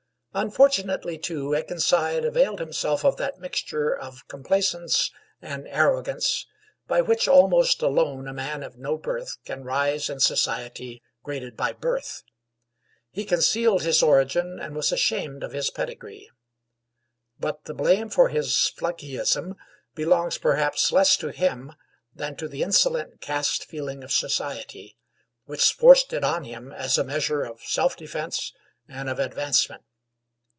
Unfortunately, too, Akenside availed himself of that mixture of complaisance and arrogance by which almost alone a man of no birth can rise in a society graded by birth. He concealed his origin and was ashamed of his pedigree. But the blame for his flunkeyism belongs, perhaps, less to him than to the insolent caste feeling of society, which forced it on him as a measure of self defense and of advancement.